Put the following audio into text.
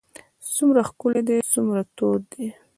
څومره ښکلی دی څومره تود دی.